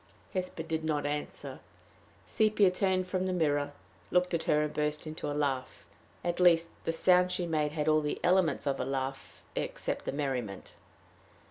Hesper did not answer. Sepia turned from the mirror, looked at her, and burst into a laugh at least, the sound she made had all the elements of a laugh except the merriment.